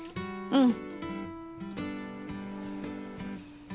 うん。